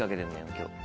今日。